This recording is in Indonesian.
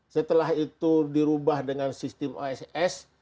setelah itu dirubah dengan sistem oss